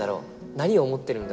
何を思っているんだろう？